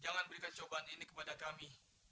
jangan berikan cobaan ini kepada kami